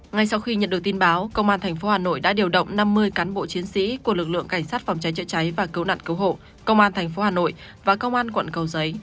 ngay sau khi nhận được tin báo công an thành phố hà nội đã điều động năm mươi cán bộ chiến sĩ của lực lượng cảnh sát phòng cháy chữa cháy và cấu nạn cấu hộ công an thành phố hà nội và công an quận cầu giấy